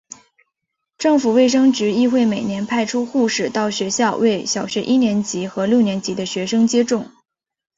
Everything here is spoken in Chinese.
政府卫生局亦会每年派出护士到学校为小学一年级和六年级的学生接种。